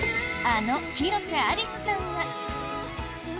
あの広瀬アリスさんが。